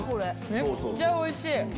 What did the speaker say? めっちゃおいしい！